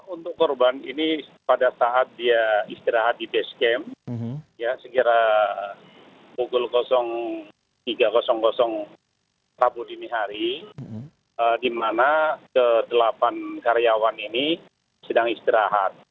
untuk korban ini pada saat dia istirahat di base camp ya sekira pukul tiga rabu dini hari di mana ke delapan karyawan ini sedang istirahat